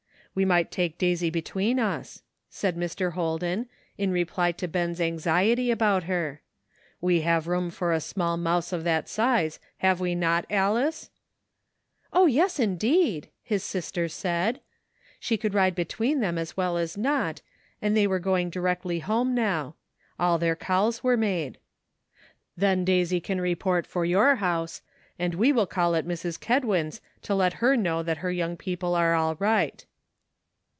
"We might take Daisy between us," said Mr. Holden, in reply to Ben's anxiety about her. " We have room for a small mouse of that size, have we not, Alice?" " O, yes, indeed !" his sister said ; she could ride between them as well as not, and they were going directly home now. All their calls were made. " Then Daisy can report for your house and we will call at Mrs. Kedwin's to let her know that her young people are all right."